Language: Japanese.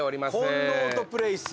コンノートプレイス？